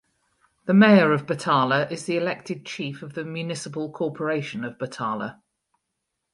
The Mayor of Batala is the elected chief of the Municipal Corporation of Batala.